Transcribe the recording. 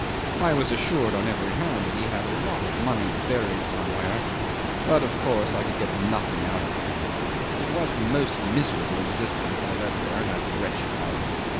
I was assured on every hand that he had a lot of money buried somewhere, but of course could get nothing out of him. It was the most miserable existence I led there in that wretched house.